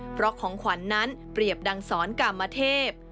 เพราะของขวัญนั้นเปรียบดังสอนกามเทพ